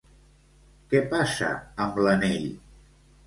Què passa amb l'anell?